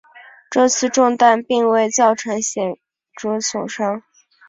这次中弹并未造成显着损伤。